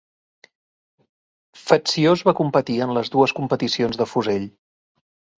Fetsios va competir en les dues competicions de fusell.